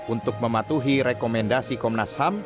untuk mematuhi rekomendasi komnas ham